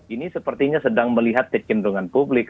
ini sepertinya sedang melihat kecenderungan publik